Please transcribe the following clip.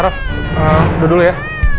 raff udah dulu ya